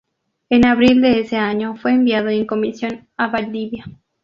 En abril de ese año fue enviado en comisión a Valdivia.